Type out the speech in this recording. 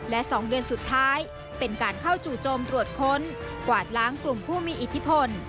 และ๒เดือนสุดท้ายเป็นการเข้าจู่โจมตรวจค้นกวาดล้างกลุ่มผู้มีอิทธิพล